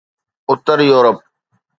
Uttar Europe